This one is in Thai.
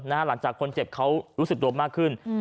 หลังจากคนเจ็บเขารู้สึกตัวมากขึ้น